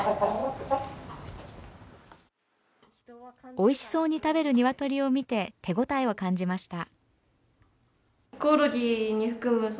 美味しそうに食べる鶏を見て手応えを感じました。